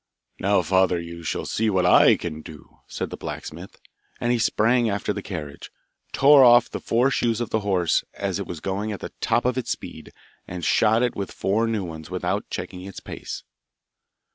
'Now, father, you shall see what I can do!' said the blacksmith, and he sprang after the carriage, tore off the four shoes of the horse as it was going at the top of its speed, and shod it with four new ones without checking its pace.